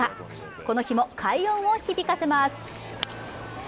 この日も快音を響かせます。